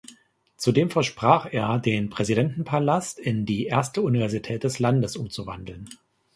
Zudem versprach er, den Präsidentenpalast in die erste Universität des Landes umzuwandeln.